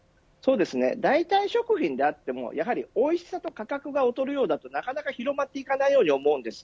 代替食品であってもやはりおいしさと価格が劣るようだとなかなか広まっていかないように思います。